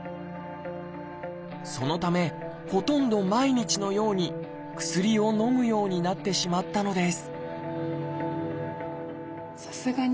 そのためほとんど毎日のように薬をのむようになってしまったのです